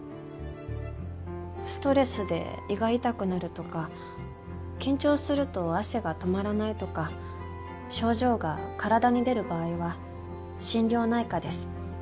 ストレスで胃が痛くなるとか緊張すると汗が止まらないとか症状が体に出る場合は心療内科です。